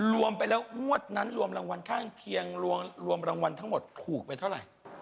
รวมไปแล้วงวดนั้นรวมรางวัลข้างเคียงรวมรางวัลทั้งหมดถูกไปเท่าไหร่